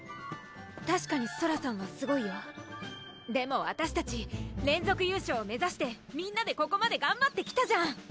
たしかにソラさんはすごいよでもわたしたち連続優勝を目指してみんなでここまでがんばってきたじゃん！